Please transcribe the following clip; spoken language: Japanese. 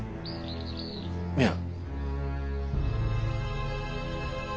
いや。